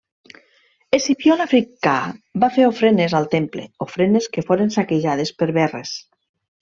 Escipió l'Àfrica va fer ofrenes al temple, ofrenes que foren saquejades per Verres.